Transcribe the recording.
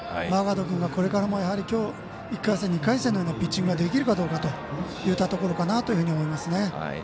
マーガード君がこれからも１回戦、２回戦のようなピッチングができるかどうかといったところかなと思います。